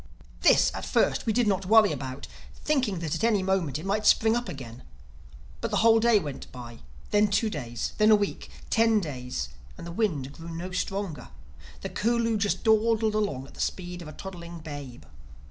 This, at first, we did not worry about, thinking that at any moment it might spring up again. But the whole day went by; then two days; then a week,—ten days, and the wind grew no stronger. The Curlew just dawdled along at the speed of a toddling babe.